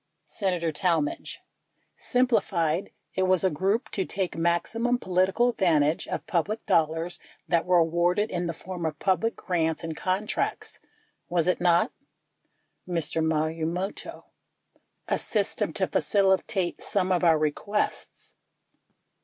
Senator Talmadge. Simplified, it was a group to take maxi mum political advantage of public dollars that were awarded in the form of public grants and contracts, was it not? Mr. Marumoto. A system to facilitate some of our requests.